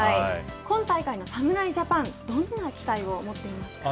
今大会の侍ジャパンどんな期待を持っていますか。